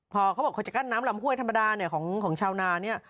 พอขอย่างกั้นน้ำลำป่วยธรรมดาของชาวนานี่